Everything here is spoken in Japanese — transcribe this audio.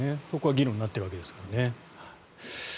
そこは議論になっているわけですからね。